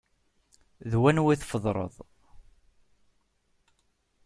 D wanwa tefḍreḍ?